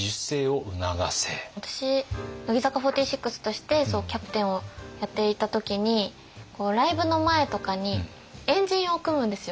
乃木坂４６としてキャプテンをやっていた時にライブの前とかに円陣を組むんですよ。